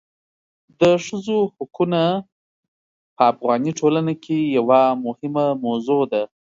د ښځو حقونه په افغاني ټولنه کې یوه مهمه موضوع ده.